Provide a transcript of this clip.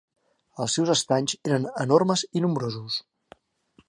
Els seus estanys eren enormes i nombrosos.